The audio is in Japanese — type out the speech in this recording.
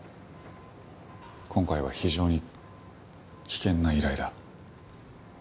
今回は非常に危険な依頼だ。